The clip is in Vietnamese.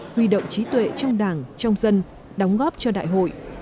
huy động trí tuệ trong đảng trong dân đóng góp cho đại hội